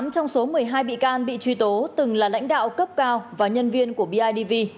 tám trong số một mươi hai bị can bị truy tố từng là lãnh đạo cấp cao và nhân viên của bidv